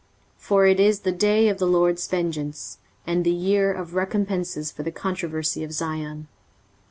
23:034:008 For it is the day of the LORD's vengeance, and the year of recompences for the controversy of Zion.